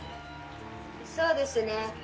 そうですね。